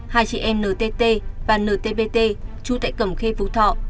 hai chị em ntt và ntpt trú tại cầm khê phú thọ